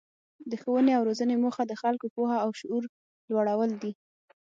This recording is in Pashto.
د ښوونې او روزنې موخه د خلکو پوهه او شعور لوړول دي.